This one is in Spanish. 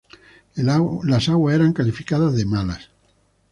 Las aguas eran calificadas de malas.